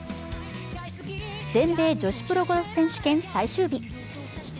全米女子プロゴルフ選手権最終日。